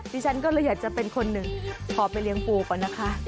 ฉันก็เลยอยากจะเป็นคนหนึ่งขอไปเลี้ยงปูก่อนนะคะ